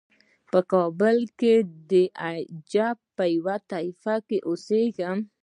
په کابل کې د عجم یوه طایفه اوسیږي.